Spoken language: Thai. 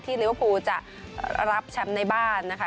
ลิเวอร์ภูจะรับแชมป์ในบ้านนะคะ